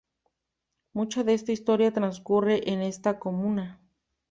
Mucha de esa historia transcurre en esta comuna.